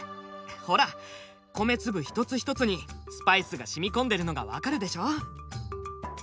ほら米粒一つ一つにスパイスがしみこんでるのがわかるでしょ。